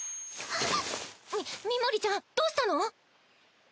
ミモリちゃんどうしたの？